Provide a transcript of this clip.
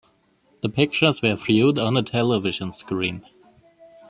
The pictures were viewed on a television screen.